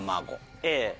Ａ。